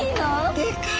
でかい。